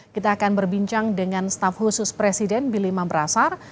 kita akan berbincang dengan staff khusus presiden bili mamrasar